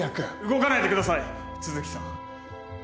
動かないでください都築さん。